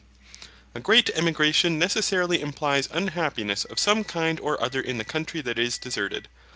A great emigration necessarily implies unhappiness of some kind or other in the country that is deserted.